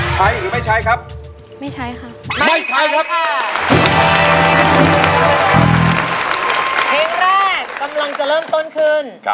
ใช้หรือไม่ใช้ครับไม่ใช้ครับไม่ใช้ครับค่ะเพลงแรกกำลังจะเริ่มต้นขึ้น